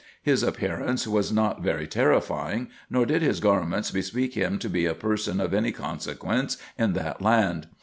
His appearance was not very terrifying, nor did his garments bespeak him to be a person of any consequence in that land.